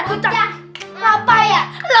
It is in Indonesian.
bocang apa ya